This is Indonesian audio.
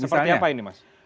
seperti apa ini mas